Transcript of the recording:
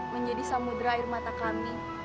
menjadi samudera air mata kami